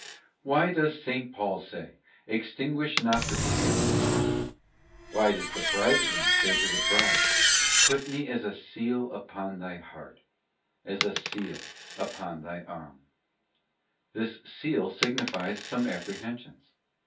Why does S. Paul say, ' Extinguish not the Spirit'?* Why does the Bridegroom say to the Bride, ' Put Me as a seal upon thy heart, as a seal upon thy arm'?ft This seal signifies some apprehensions.